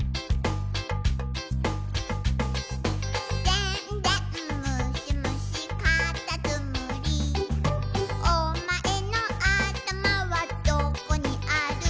「でんでんむしむしかたつむり」「おまえのあたまはどこにある」